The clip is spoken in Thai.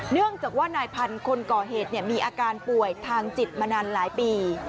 เนื่องจากว่านายพันธุ์คนก่อเหตุมีอาการป่วยทางจิตมานานหลายปี